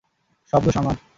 সব দোষ আমার।